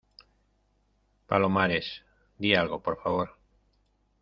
palomares, di algo , por favor.